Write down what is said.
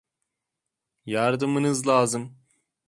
Yardımınız lazım.